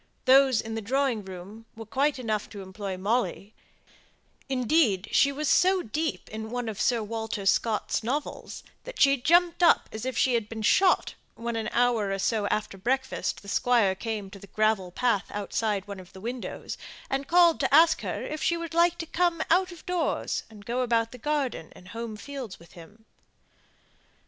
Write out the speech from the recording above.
Those in the drawing room were quite enough to employ Molly; indeed, she was so deep in one of Sir Walter Scott's novels that she jumped as if she had been shot, when an hour or so after breakfast the Squire came to the gravel path outside one of the windows, and called to ask her if she would like to come out of doors and go about the garden and home fields with him.